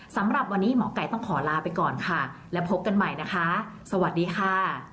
สำหรับวันนี้หมอไก่ต้องขอลาไปก่อนค่ะและพบกันใหม่นะคะสวัสดีค่ะ